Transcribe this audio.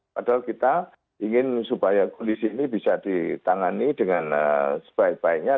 padahal kita ingin supaya kondisi ini bisa ditangani dengan sebaik baiknya